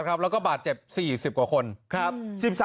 ใช่แล้วก็บาสเจ็บ๔๐กว่าคนครับ